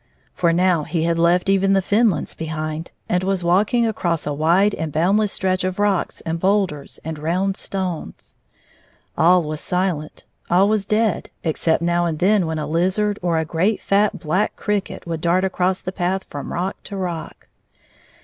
For now he had left ev6n the fen lands behind, and was walking across a wide and boundless stretch of rocks and boulders and round stones. All was silent, all was dead except now and then when a lizard or a great fat, black cricket would dart across the path from rock to rock.